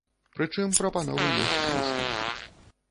Прычым прапановы ёсць слушныя.